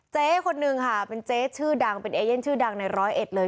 เจ๊คนนึงค่ะเป็นเจ๊ชื่อดังเป็นเอเย่นชื่อดังในร้อยเอ็ดเลย